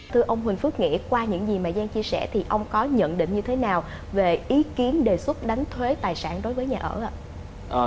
thưa ông huỳnh phước nghĩa qua những gì mà giang chia sẻ thì ông có nhận định như thế nào về ý kiến đề xuất đánh thuế tài sản đối với nhà ở ạ